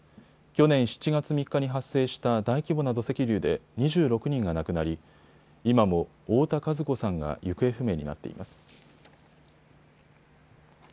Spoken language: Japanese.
去年７月３日に発生した大規模な土石流で２６人が亡くなり今も太田和子さんが行方不明になっています。